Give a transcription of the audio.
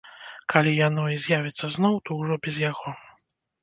Калі яно і з'явіцца зноў, то ўжо без яго.